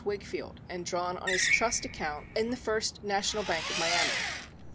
Wakefield and drawn on his trust account in the First National Bank of Miami.